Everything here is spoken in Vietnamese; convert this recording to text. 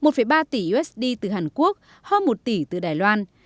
một ba tỷ usd từ hàn quốc hơn một tỷ từ đài loan